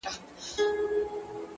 • د جومات سړی په جومات کي لټوه ,